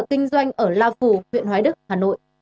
kinh doanh ở la phù huyện hoái đức hà nội